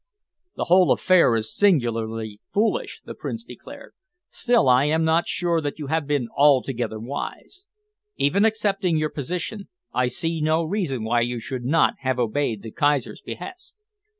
"The whole affair is singularly foolish," the Prince declared, "Still, I am not sure that you have been altogether wise. Even accepting your position, I see no reason why you should not have obeyed the Kaiser's behest.